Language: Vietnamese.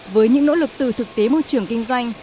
với những nỗ lực từ thực tế môi trường kinh doanh